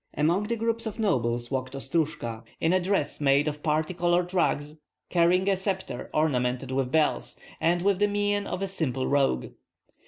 Among the groups of nobles walked Ostrojka, in a dress made of party colored rags, carrying a sceptre ornamented with bells, and with the mien of a simple rogue.